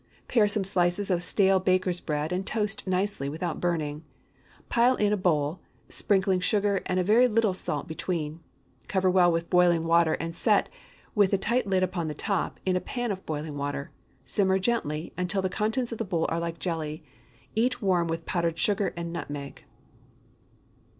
✠ Pare some slices of stale baker's bread and toast nicely, without burning. Pile in a bowl, sprinkling sugar and a very little salt between; cover well with boiling water, and set, with a tight lid upon the top, in a pan of boiling water. Simmer gently, until the contents of the bowl are like jelly. Eat warm with powdered sugar and nutmeg.